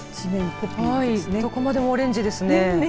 どこまでもオレンジですね。